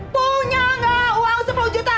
punya nggak uang sepuluh juta